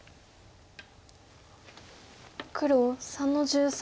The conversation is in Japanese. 黒３の十三。